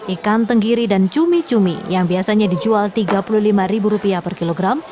ikan tenggiri dan cumi cumi yang biasanya dijual rp tiga puluh lima per kilogram